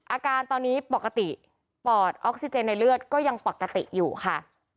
อาการตอนนี้ปกติปอดออกซิเจนในเลือดก็ยังปกติอยู่ค่ะ